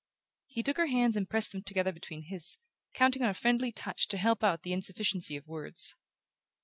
He took her hands and pressed them together between his, counting on a friendly touch to help out the insufficiency of words.